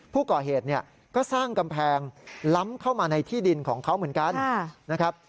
ผู้ก่อเหตุเนี่ยก็สร้างกำแพงล้ำเข้ามาในที่ดินของเขาเหมือนกันนะครับ